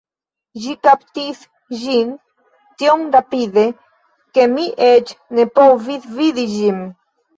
Ĝi kaptis ĝin tiom rapide, ke mi eĉ ne povis vidi ĝin